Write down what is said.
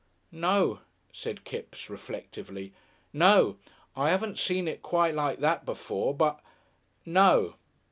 "No," said Kipps, reflectively. "No. I 'aven't seen it quite like that before, but . No.